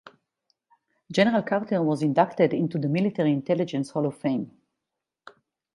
General Carter was inducted into the Military Intelligence Hall of Fame.